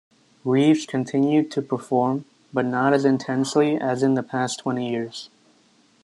Reeves continued to perform, but not as intensely as in the past twenty years.